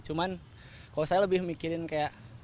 cuman kalau saya lebih mikirin kayak